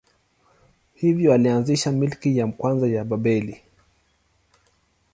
Hivyo alianzisha milki ya kwanza ya Babeli.